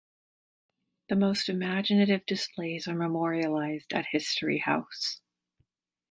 The most imaginative displays are memorialized at History House.